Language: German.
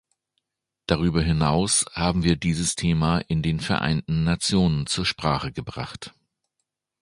Darüber hinaus haben wir dieses Thema in den Vereinten Nationen zur Sprache gebracht.